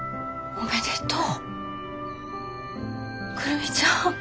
おめでとう。